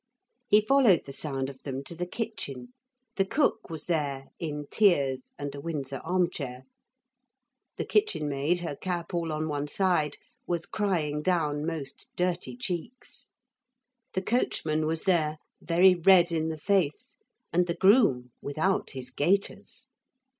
He followed the sound of them to the kitchen. The cook was there in tears and a Windsor arm chair. The kitchenmaid, her cap all on one side, was crying down most dirty cheeks. The coachman was there, very red in the face, and the groom, without his gaiters.